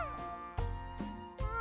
うん！